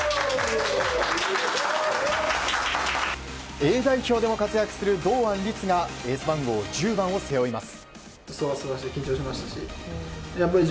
Ａ代表でも活躍する堂安律がエース番号１０番を背負います。